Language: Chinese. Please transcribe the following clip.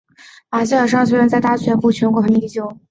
马歇尔商学院在大学部全国排名第九。